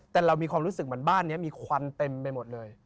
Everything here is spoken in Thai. แต่เรามีความรู้สึกเหมือนบ้านนี้มีควันเต็มไปหมดเลย